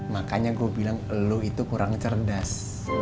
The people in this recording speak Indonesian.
makanya gue bilang lo itu kurang cerdas